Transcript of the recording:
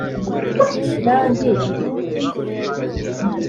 banki iri kure?